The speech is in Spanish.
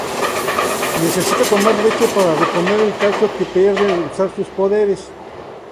Necesita tomar leche para reponer el calcio que pierde al usar sus poderes.